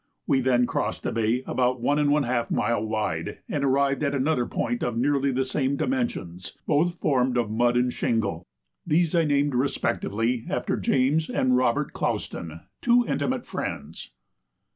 We then crossed a bay about 1½ mile wide, and arrived at another point of nearly the same dimensions, both formed of mud and shingle. These I named respectively after James and Robert Clouston, two intimate friends.